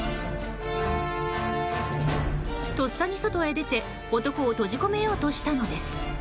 とっさに外へ出て男を閉じ込めようとしたのです。